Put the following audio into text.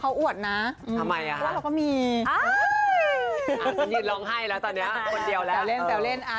เขาอวดหรือเปล่า